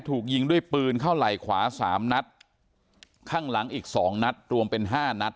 ถูกยิงด้วยปืนเข้าไหล่ขวาสามนัดข้างหลังอีกสองนัดรวมเป็นห้านัด